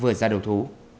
vừa ra đầu thú